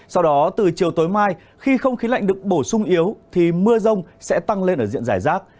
sau đó từ chiều tối mai khi không khí lạnh được bổ sung yếu thì mưa rông sẽ tăng lên ở diện giải rác